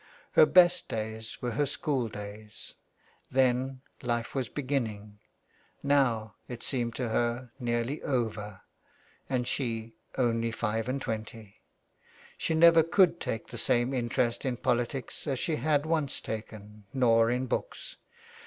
Her best days were her school days. Then life was beginning. Now it seemed to her nearly over, and she only five and twenty. She never could take the same interest in politics as she had once taken, nor in books.